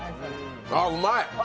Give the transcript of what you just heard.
ああ、うまい！